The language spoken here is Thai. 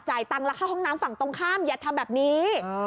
จ่ายตังค์ราคาห้องน้ำฝั่งตรงข้ามอย่าทำแบบนี้